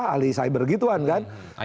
ahli cyber gitu kan